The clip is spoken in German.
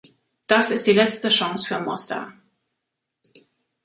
Das ist die letzte Chance für Mostar.